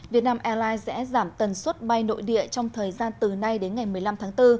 việt nam airlines sẽ giảm tần suất bay nội địa trong thời gian từ nay đến ngày một mươi năm tháng bốn